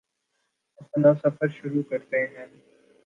اپنا سفر شروع کرتے ہیں